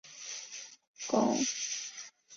他以建设巩固万金天主堂及其教区为人所知。